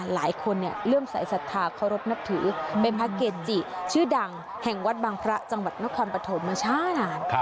หลายคนเริ่มสายศรัทธาเคารพนับถือเป็นพระเกจิชื่อดังแห่งวัดบางพระจังหวัดนครปฐมมาช้านาน